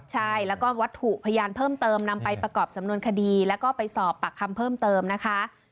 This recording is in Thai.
ใช่แล้วก็วัตถุพยานเพิ่มเติมนำไปประกอบสำนวนคดีแล้วก็ไปสอบปากคำเพิ่มเติมนะคะ